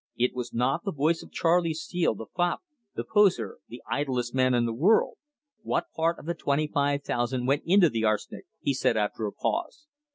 It was not the voice of Charley Steele the fop, the poseur, the idlest man in the world. "What part of the twenty five thousand went into the arsenic?" he said, after a pause.